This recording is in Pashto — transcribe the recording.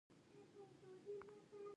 افغانستان د پسرلی د ساتنې لپاره قوانین لري.